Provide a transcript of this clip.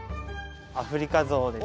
アフリカゾウです。